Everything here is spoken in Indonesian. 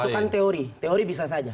ya itu kan teori teori bisa saja